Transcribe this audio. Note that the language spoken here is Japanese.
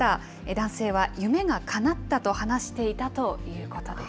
男性は夢がかなったと話していたということです。